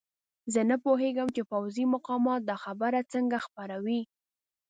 زه نه پوهېږم چې پوځي مقامات دا خبره څنګه خپروي.